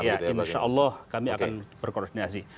ya insya allah kami akan berkoordinasi